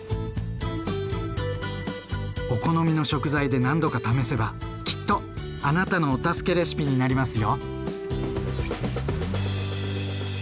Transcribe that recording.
お好みの食材で何度か試せばきっとあなたのお助けレシピになりますよ。